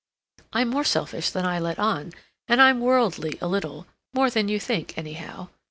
"I'm much more selfish than I let on, and I'm worldly a little—more than you think, anyhow.